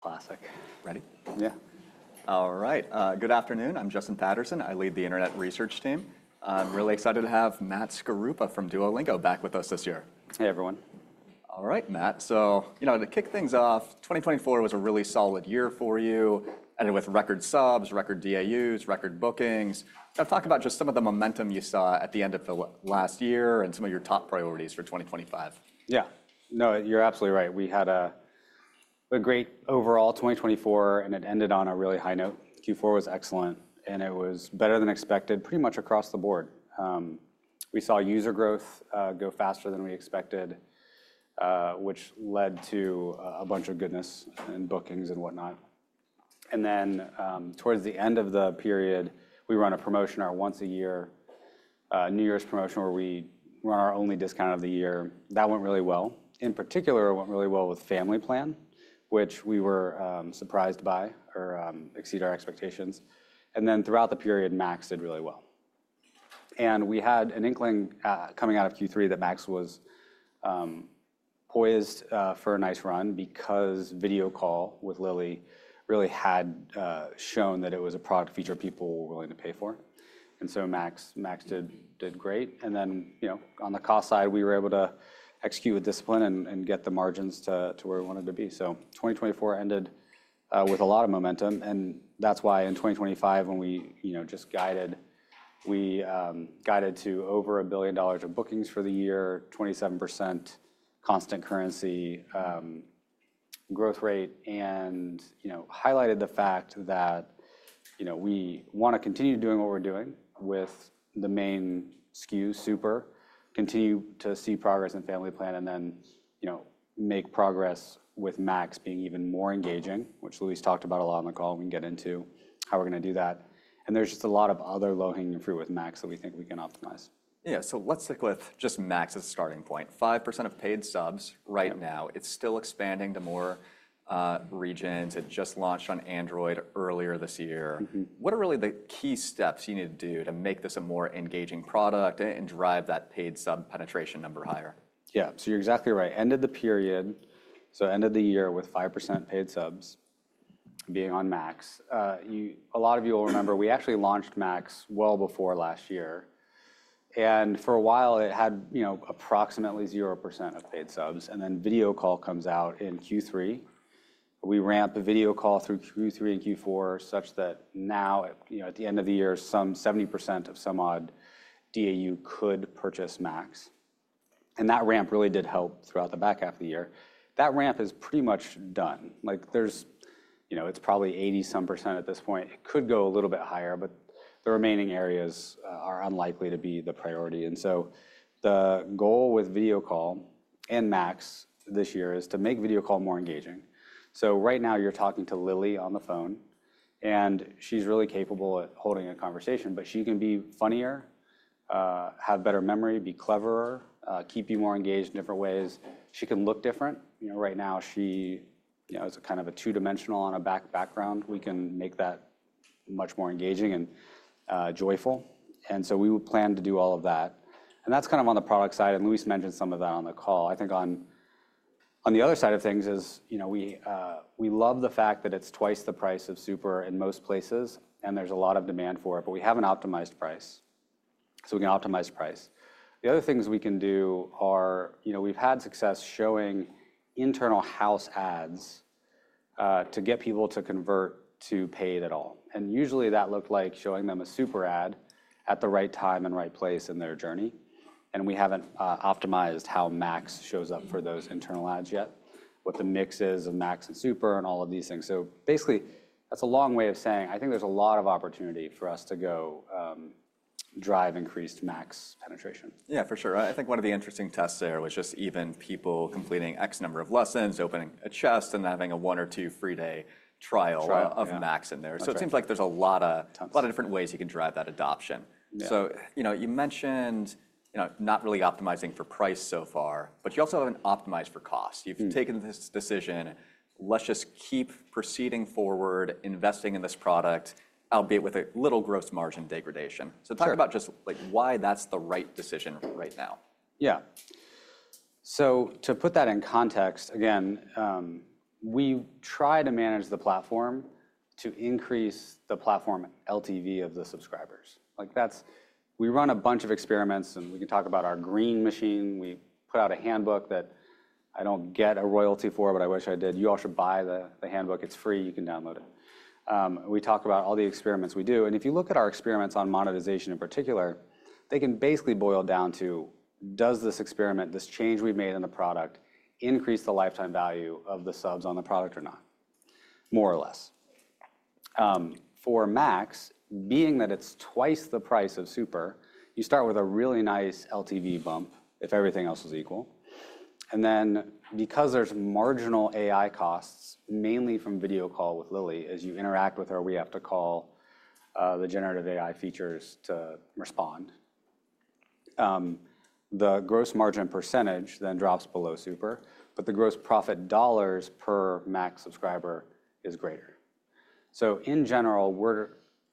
Classic. Ready? Yeah. All right. Good afternoon. I'm Justin Patterson. I lead the Internet Research Team. I'm really excited to have Matt Skaruppa from Duolingo back with us this year. Hey, everyone. All right, Matt. So, you know, to kick things off, 2024 was a really solid year for you, with record subs, record DAUs, record bookings. Talk about just some of the momentum you saw at the end of the last year and some of your top priorities for 2025. Yeah. No, you're absolutely right. We had a great overall 2024, and it ended on a really high note. Q4 was excellent, and it was better than expected pretty much across the board. We saw user growth go faster than we expected, which led to a bunch of goodness and bookings and whatnot. And then towards the end of the period, we ran a promotion once a year, a New Year's promotion where we ran our only discount of the year. That went really well. In particular, it went really well with Family Plan, which we were surprised by or exceeded our expectations. And then throughout the period, Max did really well. And we had an inkling coming out of Q3 that Max was poised for a nice run because Video Call with Lily really had shown that it was a product feature people were willing to pay for. And so Max did great. And then, you know, on the cost side, we were able to execute with discipline and get the margins to where we wanted to be. So 2024 ended with a lot of momentum. And that's why in 2025, when we just guided, we guided to over $1 billion of bookings for the year, 27% constant currency growth rate, and highlighted the fact that we want to continue doing what we're doing with the main SKU, Super, continue to see progress in Family Plan, and then make progress with Max being even more engaging, which Luis talked about a lot on the call. We can get into how we're going to do that. And there's just a lot of other low-hanging fruit with Max that we think we can optimize. Yeah. So let's stick with just Max as a starting point. 5% of paid subs right now. It's still expanding to more regions. It just launched on Android earlier this year. What are really the key steps you need to do to make this a more engaging product and drive that paid sub penetration number higher? Yeah. So you're exactly right. End of the period, so end of the year with 5% paid subs being on Max. A lot of you will remember we actually launched Max well before last year. And for a while, it had approximately 0% of paid subs. And then video call comes out in Q3. We ramp the video call through Q3 and Q4 such that now at the end of the year, some 70% of some odd DAU could purchase Max. And that ramp really did help throughout the back half of the year. That ramp is pretty much done. It's probably 80-some% at this point. It could go a little bit higher, but the remaining areas are unlikely to be the priority. And so the goal with video call and Max this year is to make video call more engaging. So right now, you're talking to Lily on the phone, and she's really capable at holding a conversation, but she can be funnier, have better memory, be clever, keep you more engaged in different ways. She can look different. Right now, she is kind of a two-dimensional on a background. We can make that much more engaging and joyful. And so we will plan to do all of that. And that's kind of on the product side. And Luis mentioned some of that on the call. I think on the other side of things is we love the fact that it's twice the price of Super in most places, and there's a lot of demand for it, but we have an optimized price. So we can optimize price. The other things we can do are, you know, we've had success showing internal house ads to get people to convert to paid at all. And usually, that looked like showing them a Super ad at the right time and right place in their journey. And we haven't optimized how Max shows up for those internal ads yet, what the mix is of Max and Super and all of these things. So basically, that's a long way of saying I think there's a lot of opportunity for us to go drive increased Max penetration. Yeah, for sure. I think one of the interesting tests there was just even people completing X number of lessons, opening a chest, and having a one or two free day trial of Max in there. So it seems like there's a lot of different ways you can drive that adoption. So you mentioned not really optimizing for price so far, but you also haven't optimized for cost. You've taken this decision, let's just keep proceeding forward, investing in this product, albeit with a little gross margin degradation. So talk about just why that's the right decision right now. Yeah. So to put that in context, again, we try to manage the platform to increase the platform LTV of the subscribers. We run a bunch of experiments, and we can talk about our Green Machine. We put out a handbook that I don't get a royalty for, but I wish I did. You all should buy the handbook. It's free. You can download it. We talk about all the experiments we do. And if you look at our experiments on monetization in particular, they can basically boil down to, does this experiment, this change we've made in the product, increase the lifetime value of the subs on the product or not, more or less. For Max, being that it's twice the price of Super, you start with a really nice LTV bump if everything else was equal. And then because there's marginal AI costs, mainly from video call with Lily, as you interact with her, we have to call the generative AI features to respond. The gross margin percentage then drops below Super, but the gross profit dollars per Max subscriber is greater. So in general, we're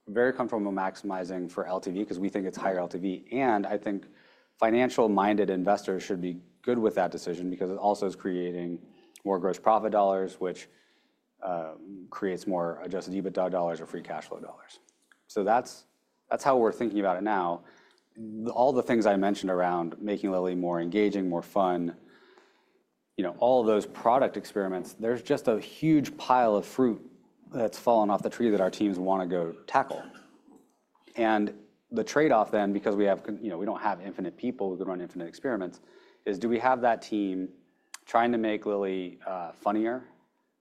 very comfortable maximizing for LTV because we think it's higher LTV. And I think financial-minded investors should be good with that decision because it also is creating more gross profit dollars, which creates more Adjusted EBITDA dollars or Free Cash Flow dollars. So that's how we're thinking about it now. All the things I mentioned around making Lily more engaging, more fun, all of those product experiments, there's just a huge pile of fruit that's fallen off the tree that our teams want to go tackle. The trade-off then, because we don't have infinite people, we could run infinite experiments, is: do we have that team trying to make Lily funnier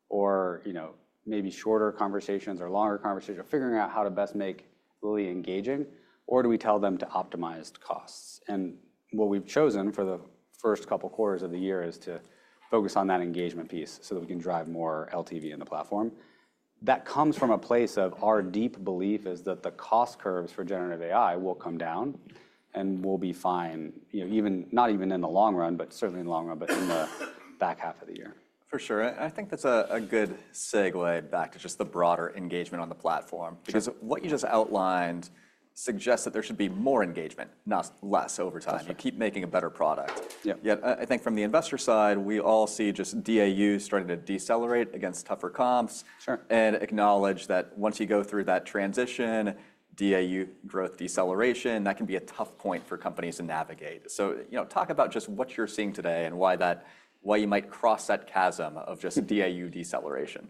or maybe shorter conversations or longer conversations, figuring out how to best make Lily engaging, or do we tell them to optimize costs? What we've chosen for the first couple of quarters of the year is to focus on that engagement piece so that we can drive more LTV in the platform. That comes from a place of our deep belief is that the cost curves for generative AI will come down and will be fine, not even in the long run, but certainly in the long run, but in the back half of the year. For sure. I think that's a good segue back to just the broader engagement on the platform because what you just outlined suggests that there should be more engagement, not less over time. You keep making a better product. Yet I think from the investor side, we all see just DAU starting to decelerate against tougher comps and acknowledge that once you go through that transition, DAU growth deceleration, that can be a tough point for companies to navigate. So talk about just what you're seeing today and why you might cross that chasm of just DAU deceleration.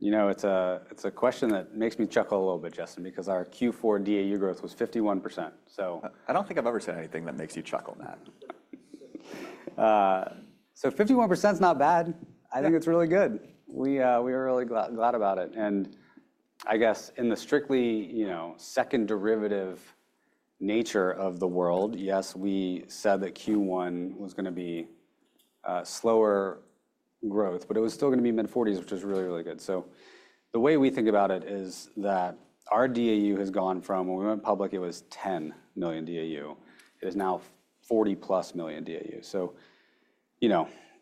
You know, it's a question that makes me chuckle a little bit, Justin, because our Q4 DAU growth was 51%. I don't think I've ever said anything that makes you chuckle, Matt. 51% is not bad. I think it's really good. We are really glad about it. And I guess in the strictly second derivative nature of the world, yes, we said that Q1 was going to be slower growth, but it was still going to be mid-40s, which is really, really good. So the way we think about it is that our DAU has gone from when we went public, it was 10 million DAU. It is now 40 plus million DAU. So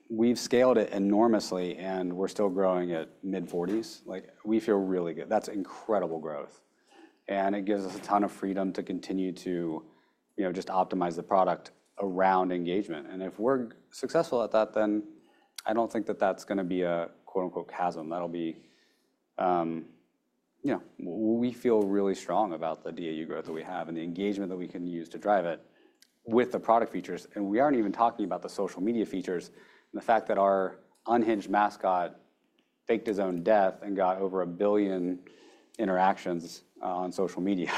we've scaled it enormously, and we're still growing at mid-40s. We feel really good. That's incredible growth. And it gives us a ton of freedom to continue to just optimize the product around engagement. And if we're successful at that, then I don't think that that's going to be a quote unquote chasm. That'll be. We feel really strong about the DAU growth that we have and the engagement that we can use to drive it with the product features. And we aren't even talking about the social media features and the fact that our unhinged mascot faked his own death and got over a billion interactions on social media.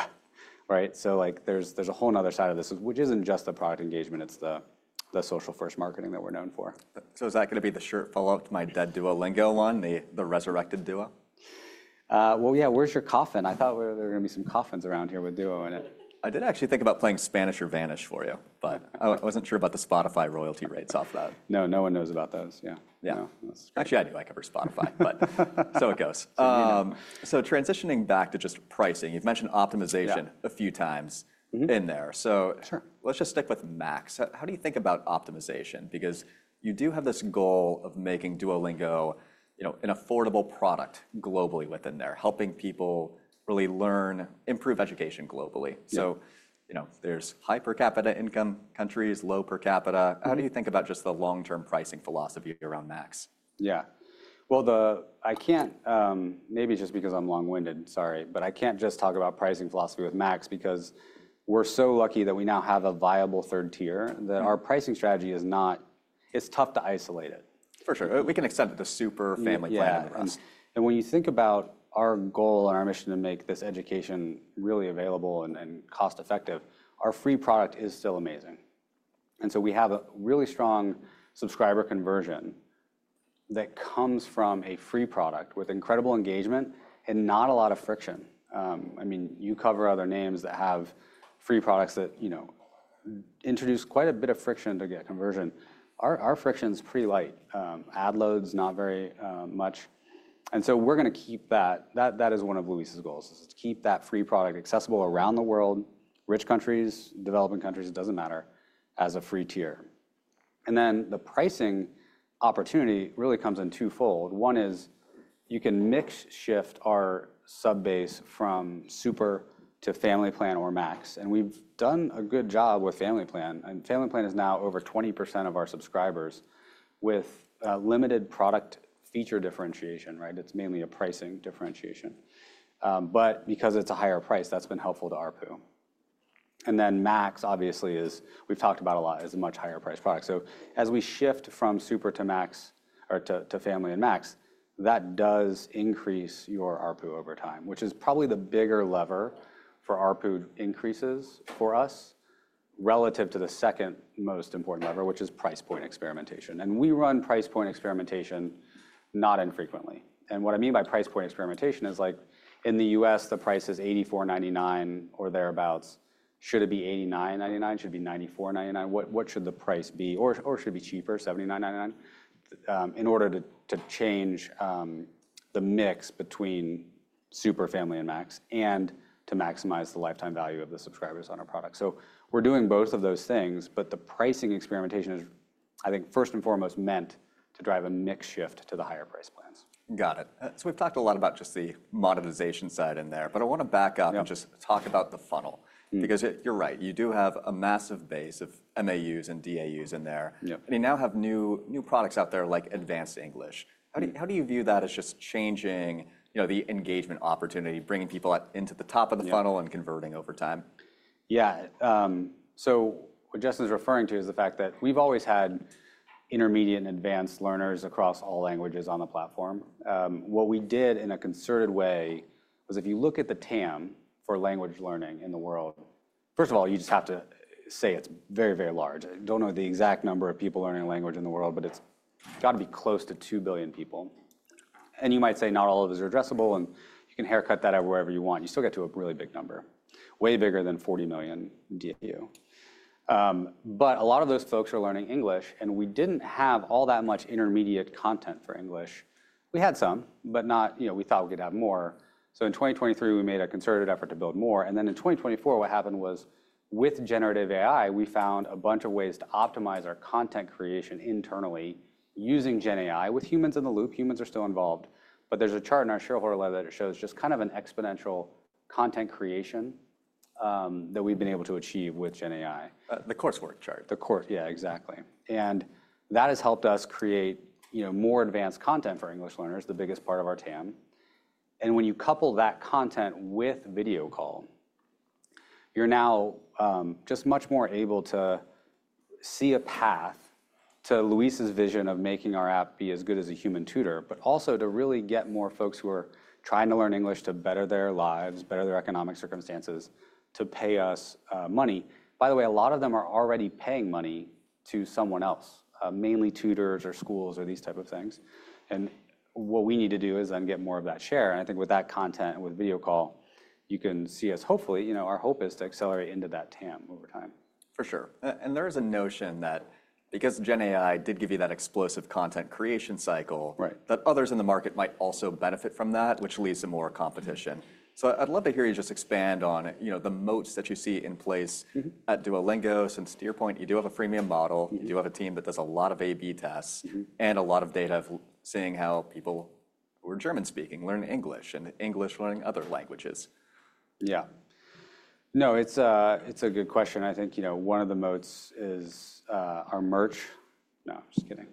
So there's a whole nother side of this, which isn't just the product engagement. It's the social-first marketing that we're known for. So, is that going to be the shirt, "fall off my dead Duolingo" one, the resurrected Duo? Yeah, where's your coffin? I thought there were going to be some coffins around here with Duo. I did actually think about playing Spanish or Finnish for you, but I wasn't sure about the Spotify royalty rates of that. No, no one knows about those. Yeah. Actually, I do like every Spotify, but so it goes, so transitioning back to just pricing, you've mentioned optimization a few times in there, so let's just stick with Max. How do you think about optimization? Because you do have this goal of making Duolingo an affordable product globally within there, helping people really learn, improve education globally, so there's high per capita income countries, low per capita. How do you think about just the long-term pricing philosophy around Max? Yeah. Well, I can't, maybe just because I'm long-winded, sorry, but I can't just talk about pricing philosophy with Max because we're so lucky that we now have a viable third tier that our pricing strategy is not, it's tough to isolate it. For sure. We can extend it to Super, Family Plan, and rest. When you think about our goal and our mission to make this education really available and cost-effective, our free product is still amazing. We have a really strong subscriber conversion that comes from a free product with incredible engagement and not a lot of friction. I mean, you cover other names that have free products that introduce quite a bit of friction to get conversion. Our friction is pretty light. Ad loads, not very much. We're going to keep that. That is one of Luis's goals, is to keep that free product accessible around the world, rich countries, developing countries, it doesn't matter, as a free tier. The pricing opportunity really comes in twofold. One is you can mix shift our subbase from Super to Family Plan or Max. We've done a good job with Family Plan. Family Plan is now over 20% of our subscribers with limited product feature differentiation. It's mainly a pricing differentiation. But because it's a higher price, that's been helpful to ARPU. And then Max, obviously, we've talked about a lot, is a much higher price product. So as we shift from Super to Max or to Family and Max, that does increase your ARPU over time, which is probably the bigger lever for ARPU increases for us relative to the second most important lever, which is price point experimentation. And we run price point experimentation not infrequently. And what I mean by price point experimentation is like in the U.S., the price is $84.99 or thereabouts. Should it be $89.99? Should it be $94.99? What should the price be? Or should it be cheaper, $79.99, in order to change the mix between Super, Family, and Max and to maximize the lifetime value of the subscribers on our product? So we're doing both of those things, but the pricing experimentation is, I think, first and foremost meant to drive a mix shift to the higher price plans. Got it. So we've talked a lot about just the monetization side in there, but I want to back up and just talk about the funnel because you're right. You do have a massive base of MAUs and DAUs in there. And you now have new products out there like Advanced English. How do you view that as just changing the engagement opportunity, bringing people into the top of the funnel and converting over time? Yeah. So what Justin's referring to is the fact that we've always had intermediate and advanced learners across all languages on the platform. What we did in a concerted way was if you look at the TAM for language learning in the world, first of all, you just have to say it's very, very large. I don't know the exact number of people learning a language in the world, but it's got to be close to 2 billion people. You might say not all of it is addressable, and you can haircut that out wherever you want. You still get to a really big number, way bigger than 40 million DAU. A lot of those folks are learning English, and we didn't have all that much intermediate content for English. We had some, but we thought we could have more. In 2023, we made a concerted effort to build more. In 2024, what happened was with generative AI, we found a bunch of ways to optimize our content creation internally using Gen AI with humans in the loop. Humans are still involved, but there's a chart in our shareholder letter that shows just kind of an exponential content creation that we've been able to achieve with Gen AI. The coursework chart. The course, yeah, exactly. And that has helped us create more advanced content for English learners, the biggest part of our TAM. And when you couple that content with Video Call, you're now just much more able to see a path to Luis's vision of making our app be as good as a human tutor, but also to really get more folks who are trying to learn English to better their lives, better their economic circumstances, to pay us money. By the way, a lot of them are already paying money to someone else, mainly tutors or schools or these types of things. And what we need to do is then get more of that share. And I think with that content and with Video Call, you can see us hopefully, our hope is to accelerate into that TAM over time. For sure. And there is a notion that because Gen AI did give you that explosive content creation cycle, that others in the market might also benefit from that, which leads to more competition. So I'd love to hear you just expand on the moats that you see in place at Duolingo since to your point, you do have a freemium model, you do have a team that does a lot of A/B tests and a lot of data of seeing how people who are German-speaking learn English and English learning other languages. Yeah. No, it's a good question. I think one of the moats is our merch. No, I'm just kidding.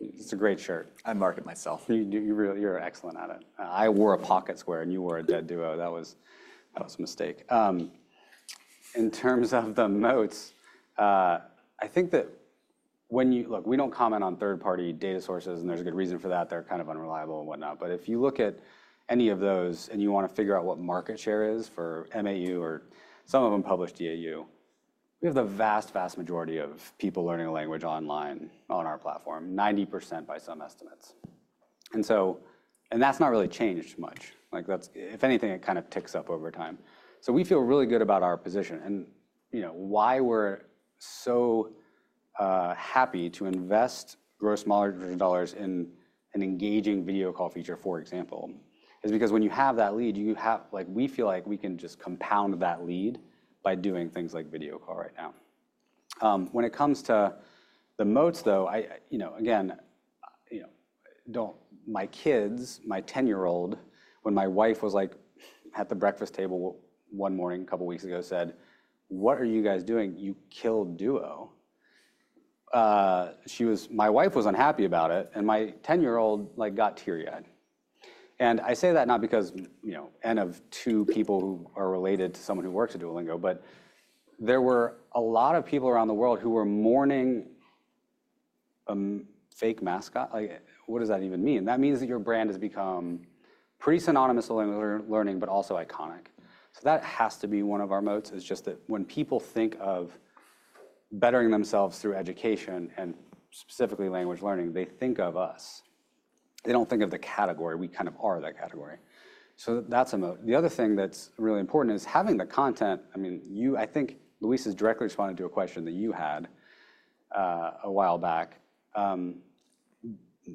It's a great shirt. I mark it myself. You're excellent at it. I wore a pocket square and you wore a dead Duo. That was a mistake. In terms of the moats, I think that when you look, we don't comment on third-party data sources, and there's a good reason for that. They're kind of unreliable and whatnot. But if you look at any of those and you want to figure out what market share is for MAU or some of them published DAU, we have the vast, vast majority of people learning a language online on our platform, 90% by some estimates, and that's not really changed much. If anything, it kind of ticks up over time. So we feel really good about our position. Why we're so happy to invest gross margin dollars in an engaging Video Call feature, for example, is because when you have that lead, we feel like we can just compound that lead by doing things like Video Call right now. When it comes to the moats, though, again, my kids, my 10-year-old, when my wife was like at the breakfast table one morning a couple of weeks ago, said, "What are you guys doing? You killed Duo." My wife was unhappy about it, and my 10-year-old got teary-eyed. I say that not because N of two people who are related to someone who works at Duolingo, but there were a lot of people around the world who were mourning a fake mascot. What does that even mean? That means that your brand has become pretty synonymous with language learning, but also iconic. That has to be one of our moats, just that when people think of bettering themselves through education and specifically language learning, they think of us. They don't think of the category. We kind of are that category. That's a moat. The other thing that's really important is having the content. I mean, I think Luis has directly responded to a question that you had a while back.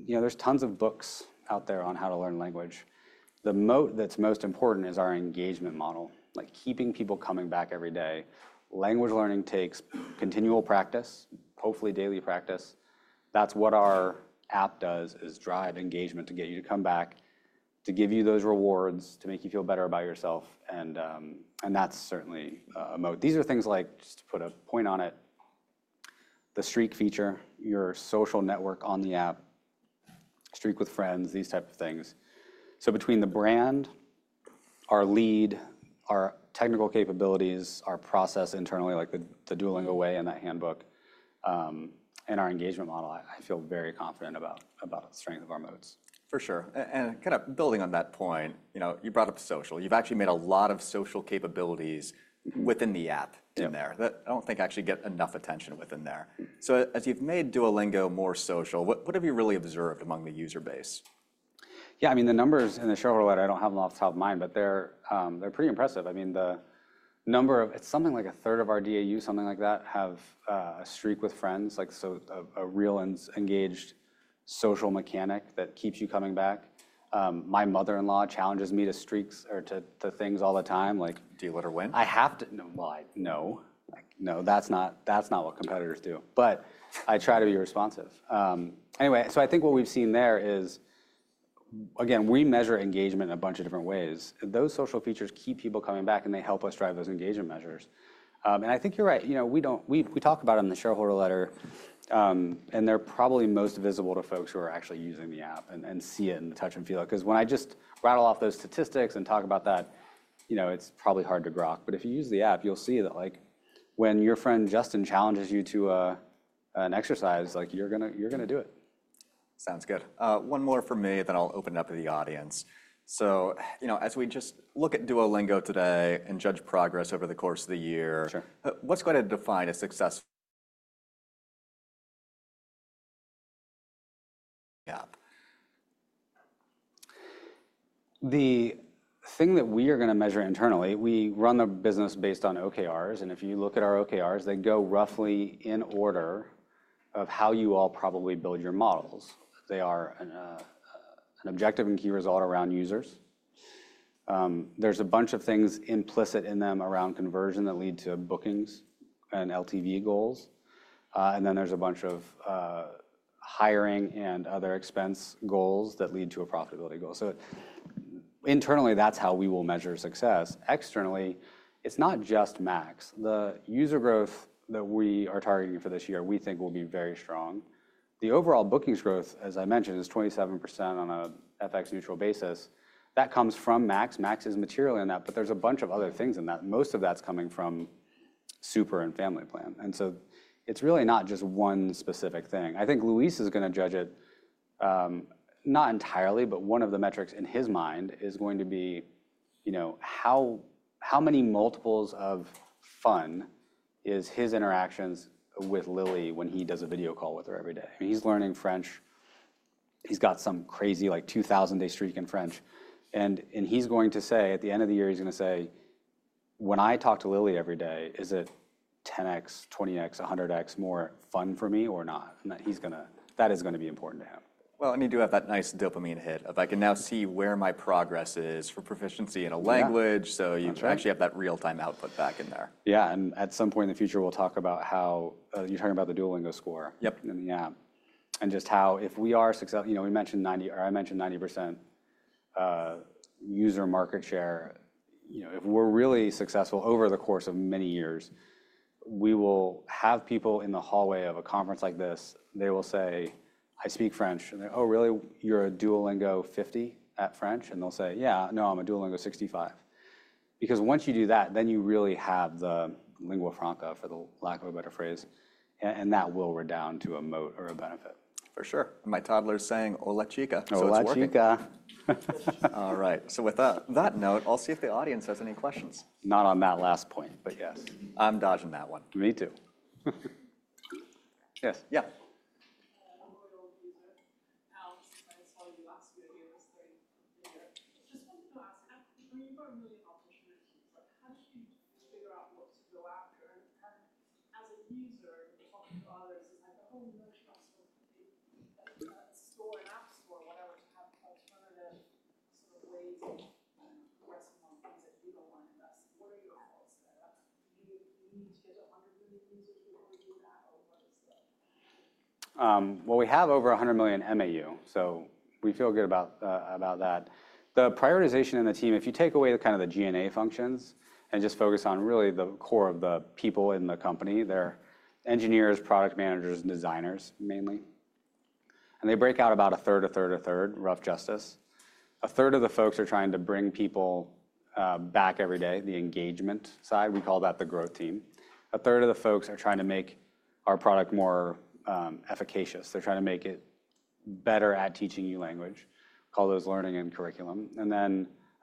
There's tons of books out there on how to learn language. The moat that's most important is our engagement model, like keeping people coming back every day. Language learning takes continual practice, hopefully daily practice. That's what our app does, drive engagement to get you to come back, to give you those rewards, to make you feel better about yourself. That's certainly a moat. These are things like, just to put a point on it, the streak feature, your social network on the app, streak with friends, these types of things. So between the brand, our lead, our technical capabilities, our process internally, like the Duolingo way and that handbook, and our engagement model, I feel very confident about the strength of our moats. For sure. And kind of building on that point, you brought up social. You've actually made a lot of social capabilities within the app in there that I don't think actually get enough attention within there. So as you've made Duolingo more social, what have you really observed among the user base? Yeah, I mean, the numbers in the shareholder letter, I don't have them off the top of mind, but they're pretty impressive. I mean, the number of, it's something like a third of our DAU, something like that, have a streak with friends, like a real engaged social mechanic that keeps you coming back. My mother-in-law challenges me to streaks or to things all the time, like. Do you let her win? I have to, well, I know. No, that's not what competitors do, but I try to be responsive. Anyway, so I think what we've seen there is, again, we measure engagement in a bunch of different ways. Those social features keep people coming back, and they help us drive those engagement measures. And I think you're right. We talk about it in the shareholder letter, and they're probably most visible to folks who are actually using the app and see it and touch and feel it. Because when I just rattle off those statistics and talk about that, it's probably hard to grok. But if you use the app, you'll see that when your friend Justin challenges you to an exercise, you're going to do it. Sounds good. One more for me that I'll open up to the audience. So as we just look at Duolingo today and judge progress over the course of the year, what's going to define a successful app? The thing that we are going to measure internally. We run the business based on OKRs. And if you look at our OKRs, they go roughly in order of how you all probably build your models. They are an objective and key result around users. There's a bunch of things implicit in them around conversion that lead to bookings and LTV goals. And then there's a bunch of hiring and other expense goals that lead to a profitability goal. So internally, that's how we will measure success. Externally, it's not just Max. The user growth that we are targeting for this year, we think will be very strong. The overall bookings growth, as I mentioned, is 27% on an FX neutral basis. That comes from Max. Max is materially in that, but there's a bunch of other things in that. Most of that's coming from Super and Family Plan. And so it's really not just one specific thing. I think Luis is going to judge it not entirely, but one of the metrics in his mind is going to be how many multiples of fun is his interactions with Lily when he does a video call with her every day. He's learning French. He's got some crazy, like 2,000-day streak in French. And he's going to say, at the end of the year, he's going to say, "When I talk to Lily every day, is it 10x, 20x, 100x more fun for me or not?" That is going to be important to him. You do have that nice dopamine hit of, "I can now see where my progress is for proficiency in a language." You actually have that real-time output back in there. Yeah, and at some point in the future, we'll talk about how you're talking about the Duolingo score in the app and just how if we are successful, we mentioned 90% user market share. If we're really successful over the course of many years, we will have people in the hallway of a conference like this. They will say, "I speak French." And they're, "Oh, really? You're a Duolingo 50 at French?" And they'll say, "Yeah, no, I'm a Duolingo 65." Because once you do that, then you really have the lingua franca for the lack of a better phrase. And that will redound to a moat or a benefit. For sure. My toddler's saying, "Hola chica. Hola chica. All right. So with that note, I'll see if the audience has any questions. Not on that last point, but yes. I'm dodging that one. Me too. Yes. Yeah. I'm a loyal user. Alex, I saw you last year here. It's just funny to ask. When you've got a million opportunities, how do you figure out what to go after, and as a user, talking to others, it's like, "Oh, you actually have something, a store and app store or whatever, to have alternative sort of ways of progressing on things that you don't want to invest in." What are your thoughts there? Do you need to get to 100 million users before you do that, or what is the? We have over 100 million MAU, so we feel good about that. The prioritization in the team, if you take away kind of the G&A functions and just focus on really the core of the people in the company, they're engineers, product managers, and designers mainly. They break out about a third, a third, a third, rough justice. A third of the folks are trying to bring people back every day, the engagement side. We call that the growth team. A third of the folks are trying to make our product more efficacious. They're trying to make it better at teaching you language, call those learning and curriculum.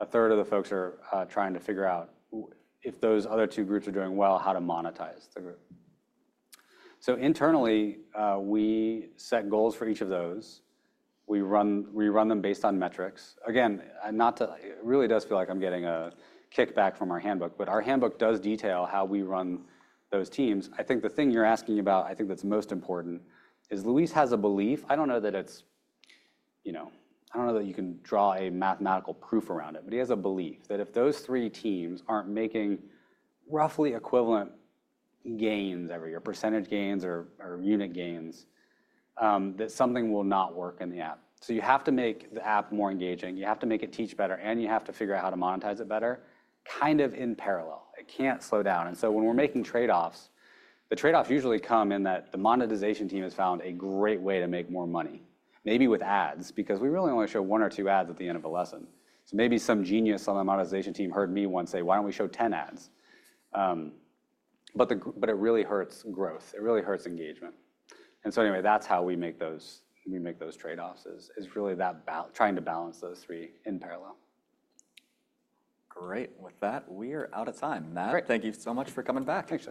A third of the folks are trying to figure out if those other two groups are doing well, how to monetize the group. Internally, we set goals for each of those. We run them based on metrics. Again, it really does feel like I'm getting a kickback from our handbook, but our handbook does detail how we run those teams. I think the thing you're asking about, I think that's most important, is Luis has a belief. I don't know that you can draw a mathematical proof around it, but he has a belief that if those three teams aren't making roughly equivalent gains every year, percentage gains or unit gains, that something will not work in the app. So you have to make the app more engaging. You have to make it teach better, and you have to figure out how to monetize it better kind of in parallel. It can't slow down. And so when we're making trade-offs, the trade-offs usually come in that the monetization team has found a great way to make more money, maybe with ads, because we really only show one or two ads at the end of a lesson. So maybe some genius on the monetization team heard me once say, "Why don't we show 10 ads?" But it really hurts growth. It really hurts engagement. And so anyway, that's how we make those trade-offs is really that trying to balance those three in parallel. Great. With that, we are out of time. Matt, thank you so much for coming back.